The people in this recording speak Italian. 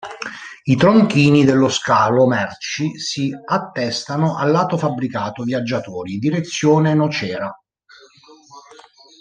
I tronchini dello scalo merci si attestano al lato fabbricato viaggiatori direzione Nocera.